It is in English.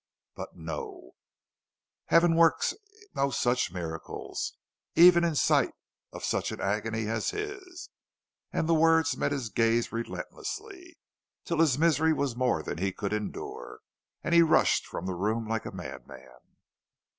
But no, Heaven works no such miracle, even in sight of such an agony as his; and the words met his gaze relentlessly till his misery was more than he could endure, and he rushed from the room like a madman.